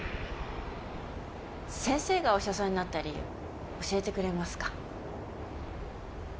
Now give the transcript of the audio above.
先生がお医者さんになった理由教えてくれますか？